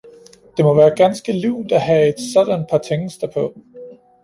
Det må være ganske lunt, at have et sådant par tingester på!